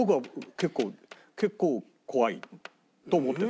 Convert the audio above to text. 結構結構怖いと思ってた。